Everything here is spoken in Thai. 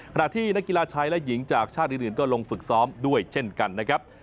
ขณะที่นักกีฬาชายและหญิงจากชาติอื่นก็ลงฝึกซ้อมด้วยเช่นกันนะครับ